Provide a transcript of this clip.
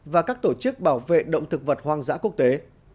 và các tổ chức bảo vệ động thực vật hoang dã quốc tế